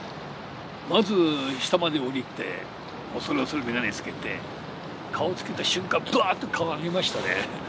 まず下までおりて恐る恐るメガネつけて顔をつけた瞬間ぶわっと顔を上げましたね。